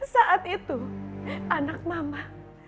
saat itu anak mama